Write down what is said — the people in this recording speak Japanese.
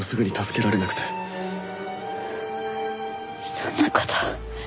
そんな事。